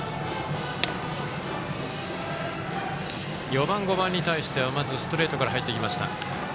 ４番５番に対してはストレートから入っていきました。